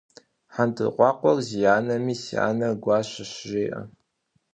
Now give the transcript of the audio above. Хьэндыркъуакъуэр зи анэми, си анэр гуащэщ жеӏэ.